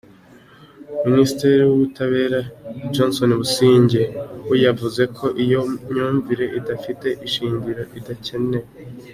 Minisitiri w’Ubutabera, Johnston Busingye, we yavuze ko ‘iyo myumvire idafite ishingiro idakenewe’.